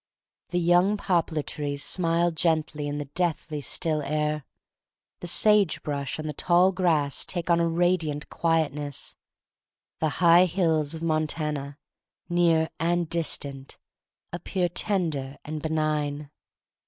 The young poplar trees smile gently in the deathly still air. The sage brush and the tall grass take on a radiant quietness. The high hills of Montana, near and distant, appear tender and benign.